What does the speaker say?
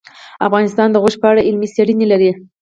افغانستان د غوښې په اړه علمي څېړنې لري.